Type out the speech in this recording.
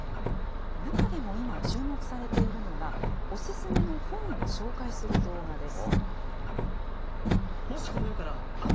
中でも今、注目されているのが、お薦めの本を紹介する動画です。